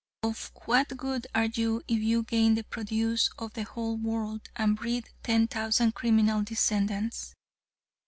Of what good are you if you gain the produce of the whole world and breed ten thousand criminal descendants.